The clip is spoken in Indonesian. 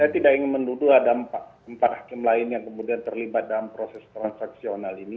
saya tidak ingin menduduh ada empat hakim lain yang kemudian terlibat dalam proses transaksional ini